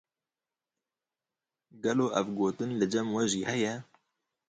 Gelo ev gotin li cem we jî heye?